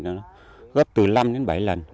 nó gấp từ năm đến bảy lần